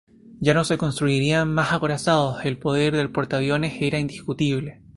Ya no se construirían más acorazados, el poder del portaviones era indiscutible.